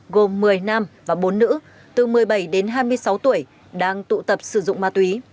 gồm một mươi nam và bốn nữ từ một mươi bảy đến hai mươi sáu tuổi đang tụ tập sử dụng ma túy